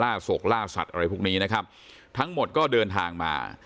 ศกล่าสัตว์อะไรพวกนี้นะครับทั้งหมดก็เดินทางมา